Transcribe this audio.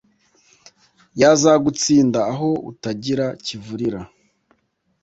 yazagutsinda aho utagira kivurira